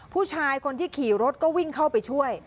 ผู้ชายคนที่ขี่รถก็วิ่งเข้าไปช่วย